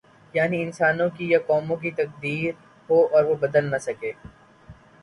یعنی انسانوں کی یا قوموں کی تقدیر ہو اور وہ بدل نہ سکے۔